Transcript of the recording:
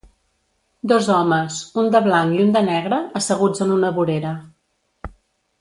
Dos homes, un de blanc i un de negre, asseguts en una vorera.